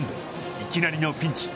いきなりのピンチ。